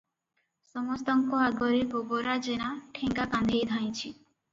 ସମସ୍ତଙ୍କ ଆଗରେ ଗୋବରା ଜେନା ଠେଙ୍ଗା କାନ୍ଧେଇ ଧାଇଁଛି ।